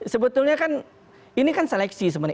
sebetulnya kan ini kan seleksi sebenarnya